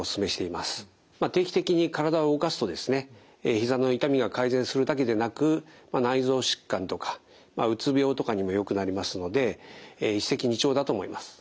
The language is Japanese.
ひざの痛みが改善するだけでなく内臓疾患とかうつ病とかにもよくなりますので一石二鳥だと思います。